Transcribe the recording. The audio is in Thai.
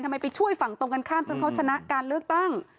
ไปช่วยฝั่งตรงกันข้ามจนเขาชนะการเลือกตั้ง